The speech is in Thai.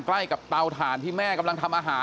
ใกล้กับเตาถ่านที่แม่กำลังทำอาหาร